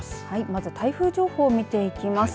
まず台風情報を見ていきます。